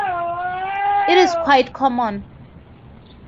It is quite common.